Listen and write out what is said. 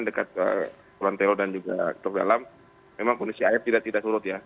terdekat ke kulon telo dan juga ketuk dalam memang kondisi air tidak surut ya